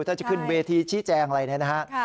ถ้าจะขึ้นเวทีชี้แจงอะไรเนี่ยนะฮะ